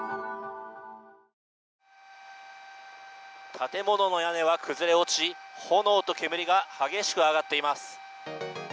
建物の屋根は崩れ落ち、炎と煙が激しく上がっています。